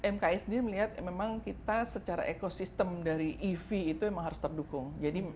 mks sendiri melihat memang kita secara ekosistem dari ev itu memang harus terdukung